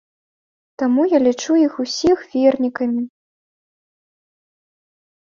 Таму я лічу іх усіх вернікамі.